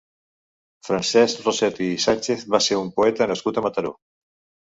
Francesc Rossetti i Sánchez va ser un poeta nascut a Mataró.